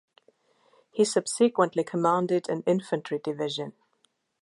He subsequently commanded an infantry division.